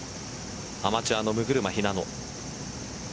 アマチュアの六車日那乃。